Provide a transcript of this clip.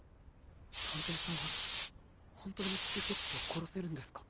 探偵さんは本当に吸血鬼を殺せるんですか？